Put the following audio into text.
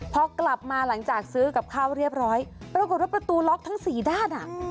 พอกลับมาหลังจากซื้อกับข้าวเรียบร้อยปรากฏว่าประตูล็อกทั้งสี่ด้าน